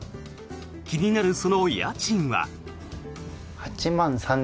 気になるその家賃は。